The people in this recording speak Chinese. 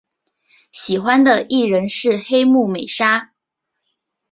喜欢的艺人是黑木美纱。